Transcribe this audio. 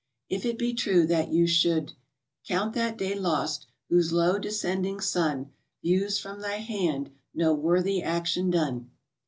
If it be true that you should "Count that day lost whose low descending sun Views from thy hand no worthy action done."